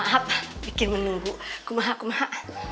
eh maaf bikin menunggu kumaha kumaha